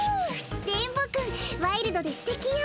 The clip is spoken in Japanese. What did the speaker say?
電ボ君ワイルドですてきよ。